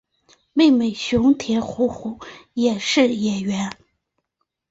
妹妹熊田胡胡也是演员。